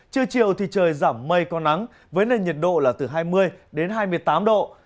trưa chiều thì trời giảm mây có nắng với nền nhiệt độ là từ hai mươi đến hai mươi tám độ